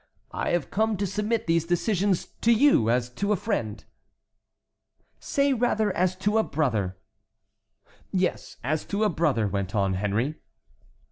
I have come to submit these decisions to you as to a friend." "Say rather as to a brother." "Yes, as to a brother," went on Henry.